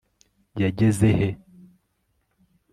yageze he